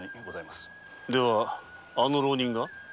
ではあの浪人が？